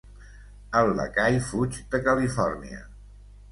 El lacai fuig de Califòrnia.